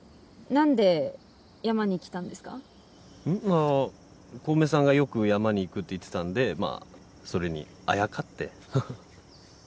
あの小梅さんがよく山に行くって言ってたんでまあそれにあやかって？ははっ。